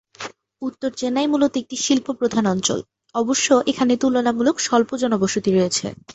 উত্তর চেন্নাই মূলত একটি শিল্প প্রধান অঞ্চল, অবশ্য এখানে তুলনামূলক স্বল্প জনবসতি রয়েছে।